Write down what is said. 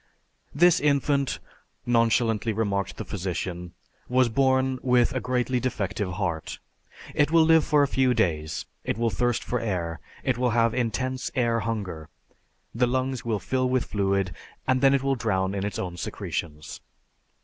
"This infant," nonchalantly remarked the physician, "was born with a greatly defective heart. It will live for a few days, it will thirst for air, it will have intense air hunger, the lungs will fill with fluid and then it will drown in its own secretions."